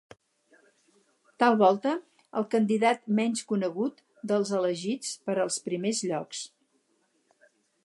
Tal volta el candidat menys conegut dels elegits per als primer llocs.